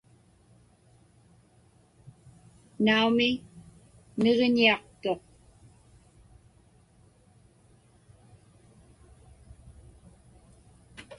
Naumi, niġiñiaqtuq.